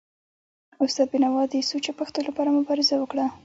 استاد بینوا د سوچه پښتو لپاره مبارزه وکړه.